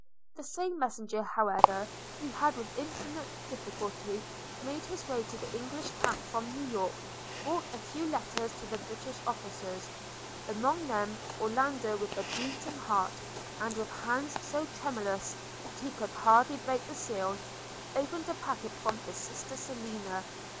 The same messenger, however, who had with infinite difficulty made his way to the English camp from New York, brought a few letters to the British officers – and among them, Orlando, with a beating heart, and with hands so tremulous that he could hardly break the seal, opened a packet from his sister Selina.